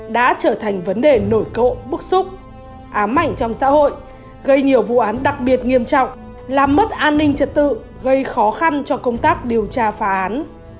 đã trở thành vấn đề nổi cộ bức xúc ám ảnh trong xã hội gây nhiều vụ án đặc biệt nghiêm trọng làm mất an ninh trật tự gây khó khăn cho công tác điều tra phá án